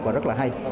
và rất là hay